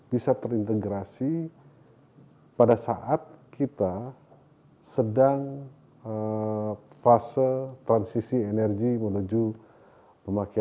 bisa terintegrasi pada saat kita sedang fase transisi energi menuju pemakaian